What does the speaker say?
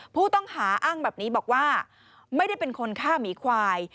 ผู้ต้องหาอ้างแบบนี้บอกว่าไม่ได้เป็นคนฆ่าหมีควาย